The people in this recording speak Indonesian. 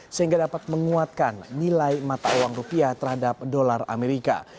sehingga dapat menguatkan nilai mata uang rupiah terhadap dolar amerika